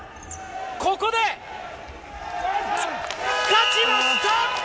ここで、勝ちました！